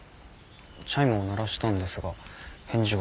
チャイムを鳴らしたんですが返事はなかった。